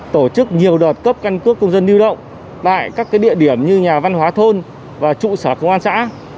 tổ chức nhiều đợt cấp căn cước công dân lưu động tại các địa điểm như nhà văn hóa thôn và trụ sở công an xã